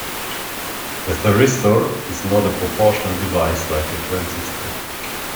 A thyristor is not a proportional device like a transistor.